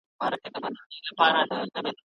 ولسمشر د لويې جرګي غونډه پرانيزي.